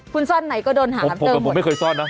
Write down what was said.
คุณซ่อนไหนก็โดนหาให้ครับเตอร์หมดผมไม่เคยซ่อนนะ